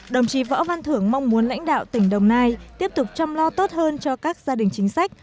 đồng chí võ văn thưởng mong muốn lãnh đạo tỉnh đồng nai tiếp tục chăm lo tốt hơn cho các gia đình chính sách